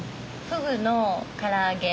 フグのから揚げ。